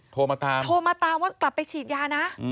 โทรมาตามว่ากลับไปฉีดยานะ